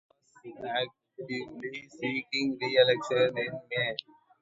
He was actively seeking re-election in May.